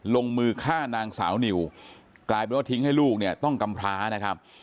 ลงมือฆ่านางสาวนิวกลายเป็นว่าทิ้งให้ลูกเนี่ยต้องกำพร้านะครับ